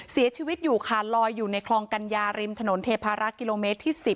เสียชีวิตอยู่ค่ะลอยอยู่ในคลองกัญญาริมถนนเทพารักษ์กิโลเมตรที่๑๐